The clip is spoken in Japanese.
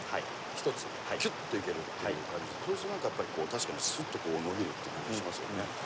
一つ、きゅっと行けるっていう感じで、そうするとなんか、確かにすっとこう、伸びるって感じしますよね。